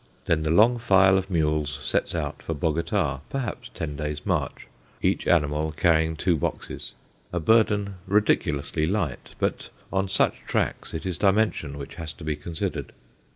Then the long file of mules sets out for Bogota, perhaps ten days' march, each animal carrying two boxes a burden ridiculously light, but on such tracks it is dimension which has to be considered.